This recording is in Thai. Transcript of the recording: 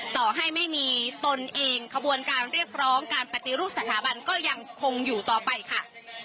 ต่อให้ไม่มีตนเองขบวนการเรียกร้องการปฏิรูปสถาบันก็ยังคงอยู่ต่อไปค่ะ